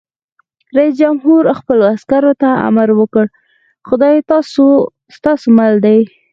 رئیس جمهور خپلو عسکرو ته امر وکړ؛ خدای ستاسو مل دی!